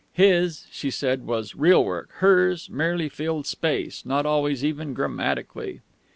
His, she said, was "real work"; hers merely filled space, not always even grammatically.